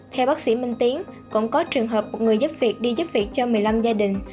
theo bác sĩ minh tiến cũng có trường hợp người giúp việc đi giúp việc cho một mươi năm gia đình